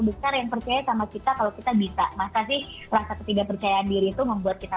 besar yang percaya sama kita kalau kita bisa masa sih rasa ketidakpercayaan diri itu membuat kita